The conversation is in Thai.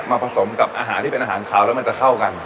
ผสมกับอาหารที่เป็นอาหารขาวแล้วมันจะเข้ากัน